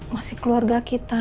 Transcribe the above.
masih keluarga kita